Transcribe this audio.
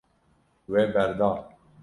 We berda.